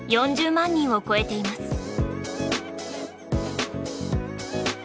４０万人を超えています。